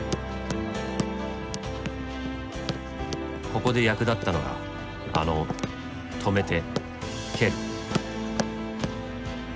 ここで役立ったのがあの「止めて・蹴る」。